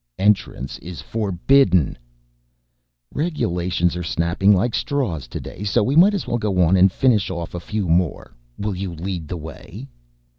"Entrance is forbidden " "Regulations are snapping like straws today, so we might as well go on and finish off a few more. Will you lead the way?"